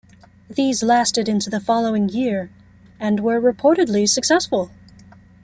These lasted into the following year, and were reportedly successful.